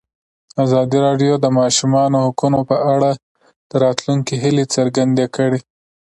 ازادي راډیو د د ماشومانو حقونه په اړه د راتلونکي هیلې څرګندې کړې.